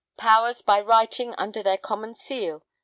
[Powers] by writing under their common seal